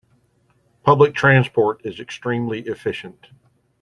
Public transport is extremely efficient.